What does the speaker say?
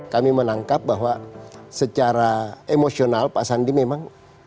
kami menangkap bahwa secara emosional pak sandi memang